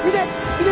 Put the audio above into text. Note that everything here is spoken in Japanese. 見て！